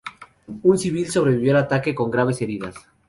Un civil sobrevivió al ataque con graves heridas.